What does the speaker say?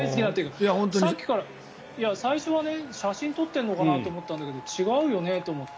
最初は写真を撮ってるのかなと思ったんだけど違うよねと思って。